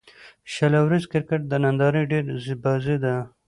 شل اووريز کرکټ د نندارې ډېره بازي ده.